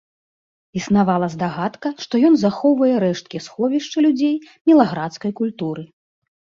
Існавала здагадка, што ён захоўвае рэшткі сховішча людзей мілаградскай культуры.